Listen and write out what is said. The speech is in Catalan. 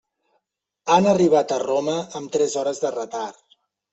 Han arribat a Roma amb tres hores de retard.